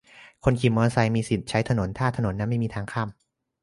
คนขี่รถมอเตอร์ไซค์มีสิทธิ์ใช้ถนน ถ้าถนนนั้นไม่มีทางข้าม